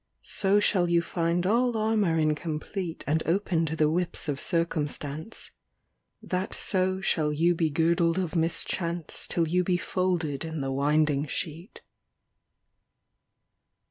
VI So shall you find all armour incomplete And open to the whips, of circumstance. That so shall you be girdled of mischance Till you be folded in the winding sheet.